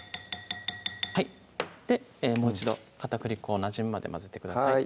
もう一度片栗粉をなじむまで混ぜてください